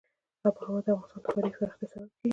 آب وهوا د افغانستان د ښاري پراختیا سبب کېږي.